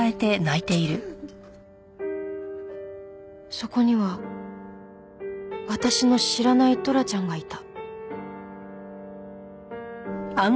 そこには私の知らないトラちゃんがいた